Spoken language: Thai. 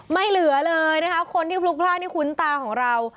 ไม่เหลือเลยนะคะคนที่พลุกล่างให้คุ้นตาของเรา